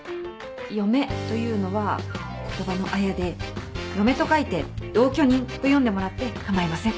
「嫁」というのは言葉のあやで「嫁」と書いて「同居人」と読んでもらって構いません。